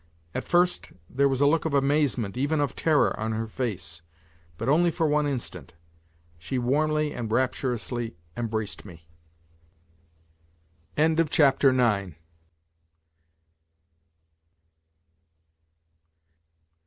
At first there was a look of amazement, even of terror on her face, but only for one instant. She warmly and rapturously embraced me.